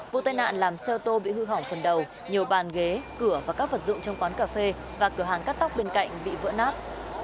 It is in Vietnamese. vụ tai nạn làm xe ô tô bị hư hỏng phần đầu nhiều bàn ghế cửa và các vật dụng trong quán cà phê và cửa hàng cắt tóc bên cạnh bị vỡ nát